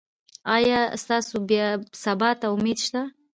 ایا ستاسو سبا ته امید شته؟